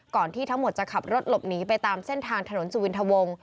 ที่ทั้งหมดจะขับรถหลบหนีไปตามเส้นทางถนนสุวินทวง